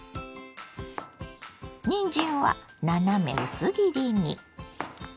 にんじんは斜め薄切りに。